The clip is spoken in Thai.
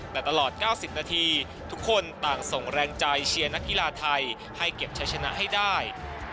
แต่ตลอด๙๐นาทีทุกคนต่างส่งแรงใจเชียร์นักกีฬาไทยให้เก็บใช้ชนะให้ได้